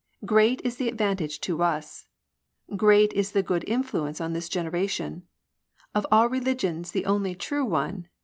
Great is the advantage to us ! Great is the good influence on this generation ! Of all religions the only true one.